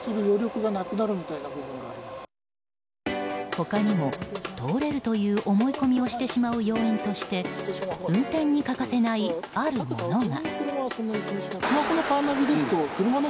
他にも、通れるという思い込みをしてしまう要因として運転に欠かせない、あるものが。